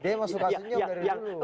dia suka senyum dari dulu